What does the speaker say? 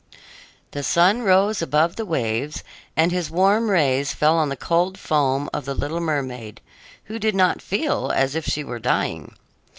The sun rose above the waves, and his warm rays fell on the cold foam of the little mermaid, who did not feel as if she were dying.